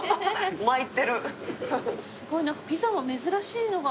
すごい。何かピザも珍しいのが。